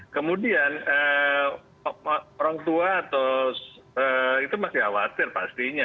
kemudian orang tua atau itu masih khawatir pastinya